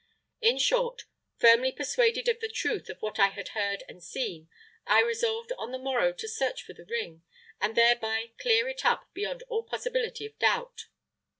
In short, firmly persuaded of the truth of what I had heard and seen, I resolved on the morrow to search for the ring, and thereby clear it up beyond all possibility of doubt.